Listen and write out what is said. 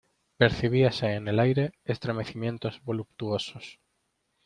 percibíase en el aire estremecimientos voluptuosos.